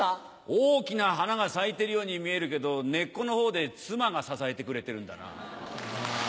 大きな花が咲いてるように見えるけど根っこの方で妻が支えてくれてるんだな。